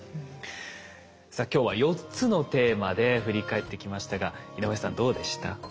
さあ今日は４つのテーマで振り返ってきましたが井上さんどうでした？